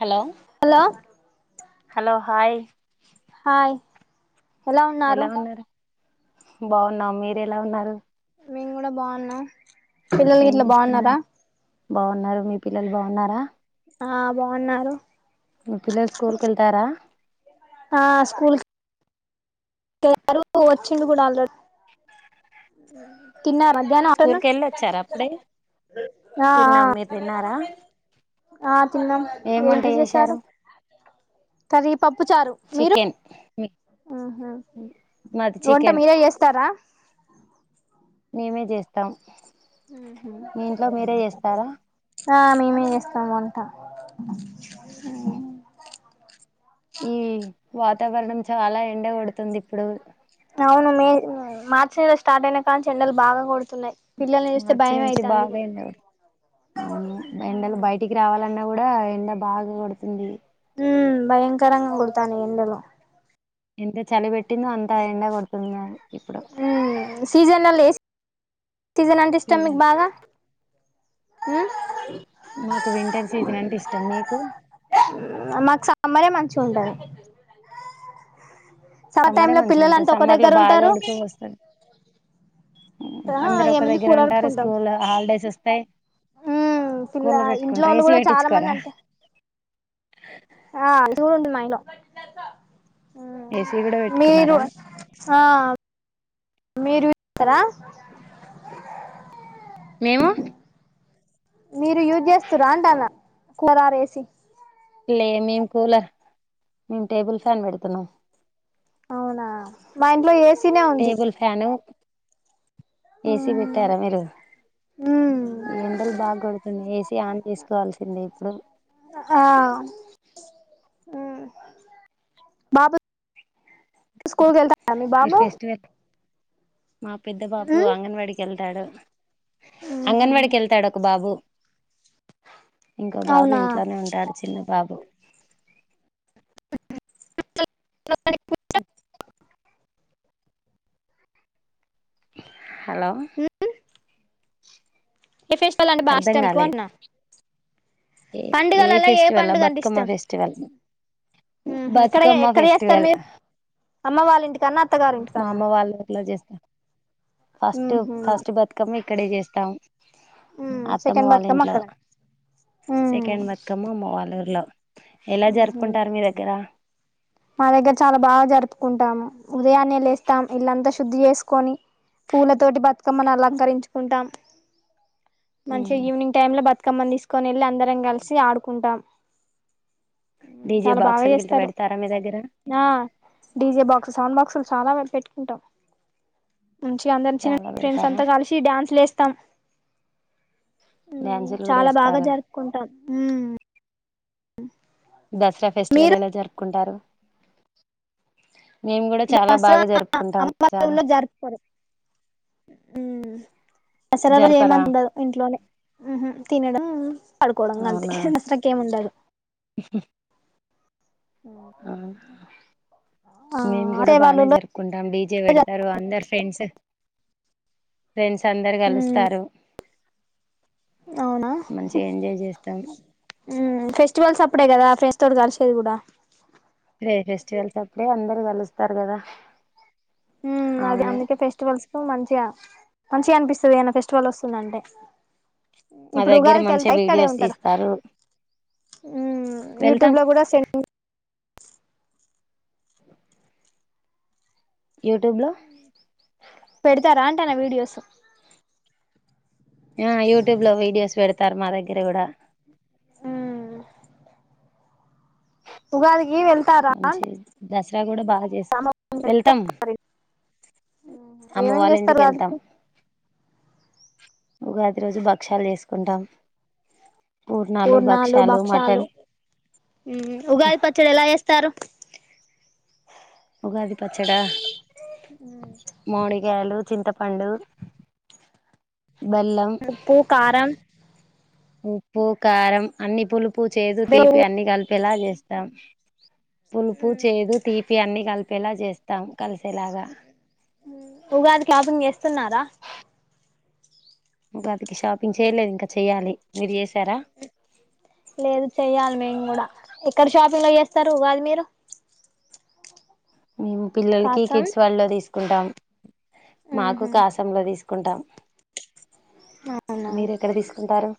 Hello hello hello hi hi ఎలా ఉన్నారు బాగున్నా మీర ఎలా ఉన్నారు మేము కూడా బాగున్నాం పిల్లలు ఏం ఇట్లా బాగున్నారా చేస్తున్నారు బాగున్నారు మీ పిల్లలు బాగున్నారా ఆ బాగున్నారు మీ పిల్లలు స్కూలకెళ్తారా? ఆ స్కూల్ కు సారు వచ్చిండు గుడ ఆల్రెడీ. తిన్నార? దాన్ని స్కూల్ అటను కి వెళ్ళి వచ్చారా అప్పుడే తిన్నాం మీరు తిన్నారా ఆ తిన్నాం ఏం వంట ఏంటి చేశారు కర్రీ పప్పు చారు మీరు చికెన్ ఆహ మాది వంట చికెన్ మీరేజెస్తారా రా మేమే జేస్తాం మీ ఇంట్లో మీరే చేస్తారా? ఆ మేమే చేస్తామ్ వంట ఈ వాతావరణం చాలా ఎండగొడుతుంది ఇప్పుడు అవును మే మార్చి నెల స్టార్ట్ అయిన కానుంచి ఎండలు బాగా కొడుతున్నాయి పిల్లల్ని చూస్తే మార్చి భయం నుంచి అయితాంది బాగాఎండ కొడుతు అవును ఉ ఎండలు బయటికి రావాలన్న కూడా ఎండ బాగా కొడుతుంది ఉ భయంకరంగా కొడుతానయ్ ఎండలు ఎంత చలవిెట్ పుటి అంతా ఎండ కొడుతున్నది ఉ సీజన్ అల్ ఏ ఏ సీజన్ అంటే ఇష్టం మీకు బాగా ఉమ్ మాకు వింటర్ సీజన్ అంటే ఇష్టం. మీకు? మాకు సమ్మరే మంచిగా ఉంటది సమ్మర్ సమ్మరే టైమ్ లో మంచిగుంటది. పిల్లలంతా ఒక సమ్మర్ లో దగ్గర బాగా ఉంటారు ఉడక పోస్తది ఆ అందరు ఒక ఏముంది దగ్గర కూలర్ ఉంటారు. పెట్టుకుంటాం స్కూల్ హాలిడేస్ అస్తాయి. ఉమ్ పిల్ల కూళర్ ఇంట్లో పెట్టుకుంటారు వాళ్ళు ఏసీ కూడా చాలా మంది పెట్టిచుకోరా అంటే ఆ చూడుండి మా ఇంట్లో ఆ ఏసీ కూడా మీరు పెట్టుకున్నారా ఆ మీరు కదా మేము మీరు యూస్ చేస్తుర్రా అంటన్న కురార్ ఏసి లే మేము కూలర్ మేం టేబుల్ ఫ్యాన్ పెడుతున్నాం అవునా మా ఇంట్లో ఏ స్ టేబుల్ ఫ్యాను ఏసీ ఉమ్ పెట్టారా మీరు ఎండలు బాగా గొడుతున్నాయ్ ఏసీ ఆన్ చేసుకోవాల్సిందే ఇప్పుడు మ్మ్ బాబు స్కూల్కి వెళ్తా మీ మీరు బాబు ఫెస్టివల్ మా పెద్ద బాబు ఉమ్ అంగన్వాడీకి ఎల్ ఉహు అంగన్వాడికి వెళ్తాడు ఒక బాబు ఇంకో బాబు అవునా ఇంట్లోనే ఉంటాడు చిన్న బాబు ఉమ్ హాల్లో ఏ ఫెస్టివల్ అంటే బా ఇష్టం మీకు అన్న ఎ-ఏ ఫెస్టివల్ అంటే బతుకమ్మ ఇష్టం ఫెస్టివల్ ఉహు ఎక్కడ బతుకమ్మ ఎక్కడ చేస్తారు ఫెస్టివల్ మీరు అమ్మ వాళ్ళ ఇంటికన్నా అత్తగారి మా ఇంటికన్నా అమ్మ వాళ్ళట్లా చేస్ ఫస్ట్ ఫస్ట్ బతుకమ్మ ఇక్కడే చేస్తాం మ్మ్ అత్తమ్మ సెకండ్ వాళ్ళ బతుకమ్మ ఇంట్లో అక్కడ మ్మ్ సెకండ్ బతుకమ్మ అమ్మ వాళ్ళ ఊర్లో ఎలా ఉహు జరుపుకుంటారు మీ దగ్గర మా దగ్గర చాలా బాగా జరుపుకుంటాము ఉదయాన్నే లేేస్తాం ఇల్లంతా శుద్ధి చేసుకొని పూల తోటి బతుకమ్మని అలంకరించుకుంటాం మంచిగా ఈవినింగ్ టైమ్ లో బత్ కమ్మని తీసుకొని వెళ్ళి అందరం కలిసి ఆడుకుంటాం డీజే చాలా బాగా బాక్సులు గిట్లా చేస్తారు పెడతారా మీ దగ్గర ఆ డీజే బాక్స్ సౌండ్ బాక్సు చాలా బాగా పెట్టుకుంటాం మంచిగా అందరి చి చాలా ఫ్రెండ్స్ పెడతారా అంతా కలిసి డ్యాన్స్లు లేస్తాం మ్మ్ డ్యాన్సులు కూడా చాలా బాగా వేస్తారు జరుపుకుంటాం మ్మ్ ఉమ్ దసరా ఫెస్టివల్ ఎలా జరుపుకుంటారు మేము కూడా చాలా బాగా దసరా జరుపుకుంటాం చాలా అమ్మలో జరుపుకోరు మ్మ్ దసరా రోజు జరపరా ఏమంటండదు ఇంట్లోనే తినడం మ్మ్ హ్మ్ పడుకోవడం గంతే అవునా దశరాకి ఏం ఉండదు ఆ ఆ మేమ్ కూడా అదే వాళ్ళ బానే ఊళ్ళో జరుపుకుంటాం డీజే పెడతారు అందరు ఫ్రెండ్స్ ఫ్రెండ్స్ అందరు కలుస్తారు అవునా హ్ మంచిగా ఎంజాయ్ చేస్తాం మ్మ్ ఫెస్ట్ స్టువల్స్ అప్పుడే కదా ఫ్రెండ్స్ తోటి కలిసేది గూడా అదే ఫెస్టివల్స్ అప్పుడే అందరు కలుస్తారు కదా మ్మూ అది అవును అందుకే ఫెస్టివల్స్ కు మంచిగా మంచిగా అనిపిస్తది ఏదన్నా ఫెస్టివల్ వస్తుందంటే. మా ఇప్పుడు దగ్గర ఉగాదికి వెళ్త మంచిగా ఇక్కడే వీడియోస్ ఉంటరా, తీస్తారు హ్మ్ వెళ్తాం యూట్యూబ్ లో కూడా సెండ్ యూట్యూబ్ లో పెడతారా అంటానా వీడియోస్ ఆ యూట్యూబ్ లో వీడియోస్ వెడు తర్ మా దగ్గర గూడా ఉగాది కీ వెళ్తారా మంచి అంటు దసరా గూడ బా జేస్ వెళ్తం అమ్మ ఏమేం వాళ్ళ చేస్తారు ఇంటికి వెళ్తాం ఉగాదికి ఉగాది రోజు భక్ష్యాలు చేసుకుంటాం. పూర్ణాలు, భక్షాలు, మ్మ్ ఉగాది పచ్చడి ఎలా వేస్తారు? ఉగాది పచ్చడా మామిడికాయలు చింతపండు బెల్లం ఉప్పు, కారం ఉప్పు, కారం, అన్ని పులుపు ఉప్పు, చేదు, బేవు తీపి అన్ని కలిపి ఎలా చేస్తాం పులుపు, చేదు, తీపి అన్నీ కలిపి ఎలా చేస్తాం కలిసేలాగా ఉగాది షాపింగ్ చేస్తున్నారా? ఉగాదికి షాపింగ్ చేయలేదు ఇంకా చెయ్యాలి. మీరు చేస్ లేదు చెయ్యాలి మేము గూడా ఎక్కడ షాపింగ్లో చేస్తరు ఉగాది మీరు మేము పిల్లలకి కాసం కిడ్స్ వడ్లో తీసు కుంటాం మాకు ఉహు కాసంలో తీసుకు కుంటాం అవునా మీరు ఎక్కడ తీసుకుంటారు?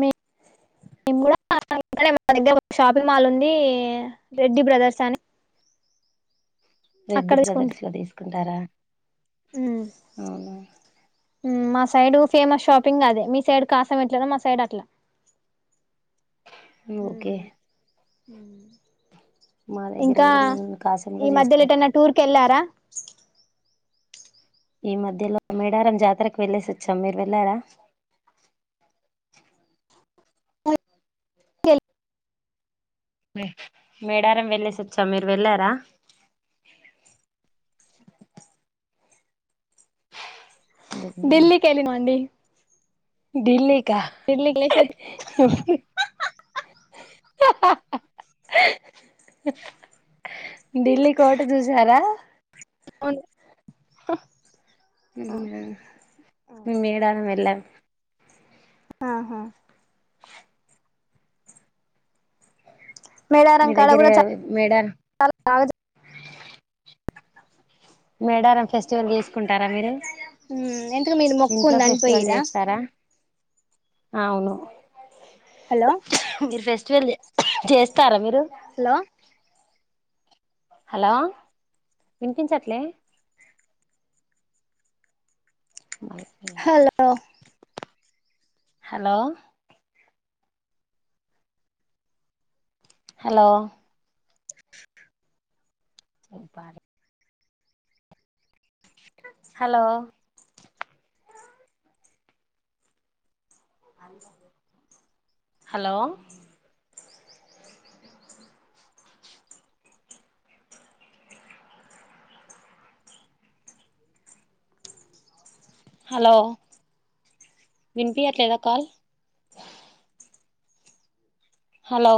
మేం కూడా [inaudible] మా దగ్గర ఒక షాపింగ్ మాల్ ఉంది రెడ్డి బ్రదర్స్ అని రెడ్డి అక్కడ తీసుకుంటాం బ్రదర్స్ లో తీసుకుంటారా అవునా మ్మ్ మా సైడ్ ఫేమస్ షాపింగ్ అదే మీ సైడ్ కాసం ఎట్లానో మా సైడ్ అట్లా ఓకే మ్మ్ మా దగ్గర ఇంకా కూడా మేము కాసంలో ఈ మధ్యలో చేస్తాం ఏటన్న టూర్ కి వెళ్ళారా ఈ మధ్యలో మేడారం జాతరకు వెళ్లేేసి వచ్చాం మీరు వెళ్లారా మేడారం వెళ్ళేసి వచ్చాం మీరు వెళ్ళారా ఢిల్లీ కెళ్ళిన అండి డిల్లీ డిల్లీ కెల్లెస్ వచ్ ఢిల్లీ కోటు చూసారా అవును మ్మ్ మేమ్ మేడారం వెళ్ళాం ఆహా మేడారం మీ కాడ దగ్గర కూడా చ మేడారం చాల బా మేడారం ఫెస్టివల్ చేసుకుంటారా మీరు మ్మ్ ఎంతుకు మీరు మొక్కు ఇంట్లో ఉందని ఫెస్టివల్ పోయిర్రా చేస్తారా అవును హలో మీరు వె వె చేస్తారా మీరు హలో హలో వినిపించట్లే హలోలో హలో హలో ఇపరి హలో హలో హలో వినిపియ్యట్లేదా కాల్ హలో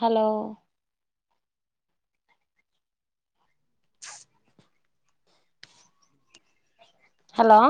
హలో హలో